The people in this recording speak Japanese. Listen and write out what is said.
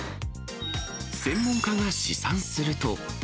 専門家が試算すると。